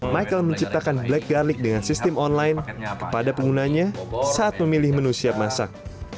michael menciptakan black garlic dengan sistem online kepada penggunanya saat memilih menu siap masak